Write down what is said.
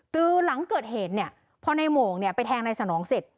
คือหลังเกิดเหตุเนี่ยพอในโมงเนี่ยไปแทงนายสนองเสร็จ